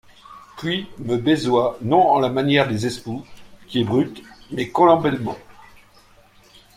Puis, me baisoyt non en la manière des espoux, qui est brute, mais columbellement.